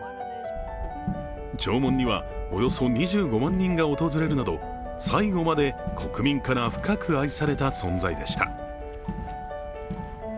弔問には、およそ２５万人が訪れるなど最後まで国民から深く愛された存在でした。